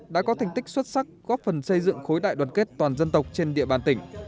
đã có thành tích xuất sắc góp phần xây dựng khối đại đoàn kết toàn dân tộc trên địa bàn tỉnh